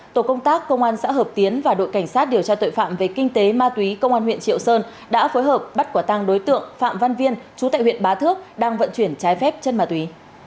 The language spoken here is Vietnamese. tổ công tác công an xã hợp tiến và đội cảnh sát điều tra tội phạm về kinh tế ma túy công an huyện triệu sơn đã phối hợp bắt quả tăng đối tượng phạm văn viên chú tại huyện bá thước đang vận chuyển trái phép chân ma túy